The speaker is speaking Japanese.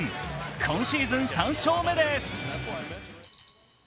今シーズン３勝目です。